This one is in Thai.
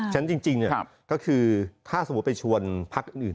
ฉะนั้นจริงก็คือถ้าสมมุติไปชวนพักอื่น